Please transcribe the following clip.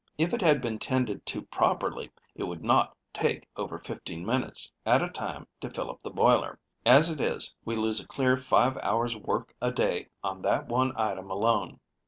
If it had been tended to properly it would not take over fifteen minutes at a time to fill up the boiler; as it is, we lose a clear five hours' work a day on that one item alone.